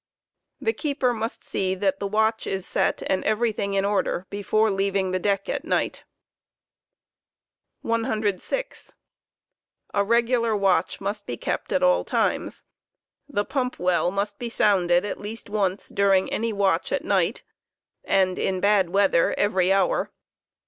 The keeper must see that the watch is set and everything in order before leaving the deck at night. 106. A regular watch must be kept at all times. The pump well must be sounded at least once during any watch at night, and in bad' weather, every hour.